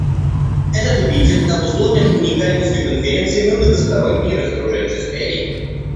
Этот эпитет обусловлен уникальностью Конференции на многосторонней разоруженческой арене.